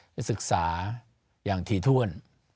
จะศึกษาอย่างทีท่วน